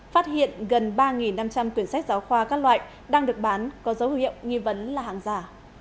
phát hiện gần ba năm trăm linh quyển sách giáo khoa các loại đang được bán có dấu hiệu nghi vấn là hàng giả